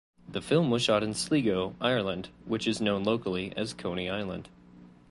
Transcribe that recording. The film was shot in Sligo, Ireland, which is known locally as "Coney Island".